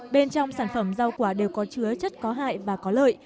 bên trong sản phẩm rau quả đều có chứa chất có hại và có lợi